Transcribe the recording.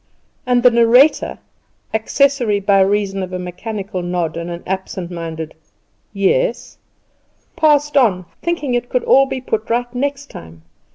And the narrator accessory by reason of a mechanical nod and an absent minded "Yes" passed on, thinking it could all be put right next time.